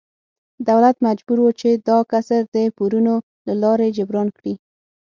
دولت مجبور و چې دا کسر د پورونو له لارې جبران کړي.